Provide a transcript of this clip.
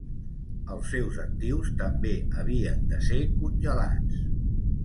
Els seus actius també havien de ser congelats.